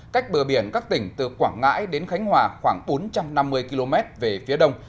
cách bờ biển các tỉnh từ quảng ngãi đến khánh hòa khoảng bốn trăm năm mươi km về phía đông